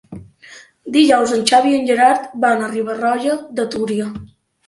Dijous en Xavi i en Gerard van a Riba-roja de Túria.